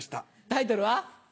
タイトルは？